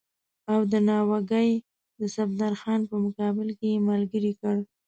او د ناوګۍ د صفدرخان په مقابل کې یې ملګری کړ.